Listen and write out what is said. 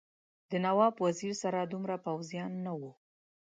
د نواب وزیر سره دومره پوځیان نه وو.